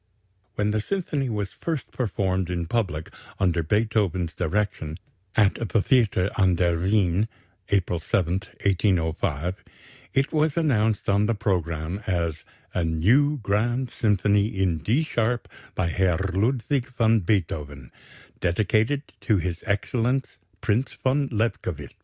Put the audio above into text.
When the symphony was first performed in public under Beethoven's direction, at the Theater an der Wien, April 7, 1805, it was announced on the programme as "A new grand Symphony in D sharp by Herr Ludwig van Beethoven, dedicated to his excellence Prince von Lobkowitz."